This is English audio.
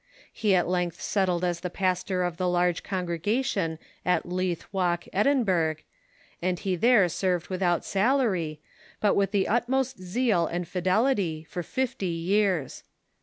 He at length settled as the pastor of the large congregation at Leith Walk, Edinburgh, and he there served without salary, but with the utmost zeal and fidelity, for fifty years.